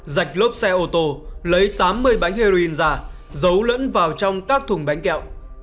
rạch lốp xe ô tô lấy tám mươi bánh heroin ra giấu lẫn vào trong các thùng bánh kẹo